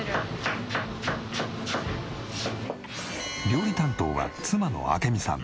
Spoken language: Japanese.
料理担当は妻の明美さん。